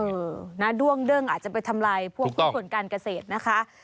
เออน่าด้วงเดิ้งอาจจะไปทำลายพวกผู้ผลการเกษตรนะคะถูกต้อง